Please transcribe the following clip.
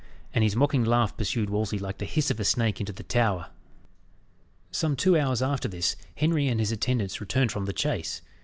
And his mocking laugh pursued Wolsey like the hiss of a snake into the tower. Some two hours after this, Henry and his attendants returned from the chase.